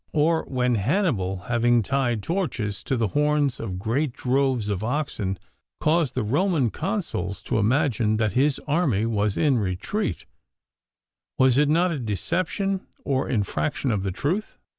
Or when Hannibal, having tied torches to the horns of great droves of oxen, caused the Roman Consuls to imagine that his army was in retreat, was it not a deception or infraction of the truth?